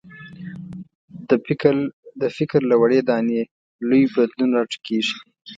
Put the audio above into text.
د فکر له وړې دانې لوی بدلون راټوکېږي.